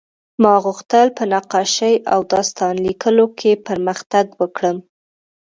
ما غوښتل په نقاشۍ او داستان لیکلو کې پرمختګ وکړم